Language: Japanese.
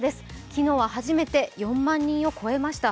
昨日は初めて４万人を超えました。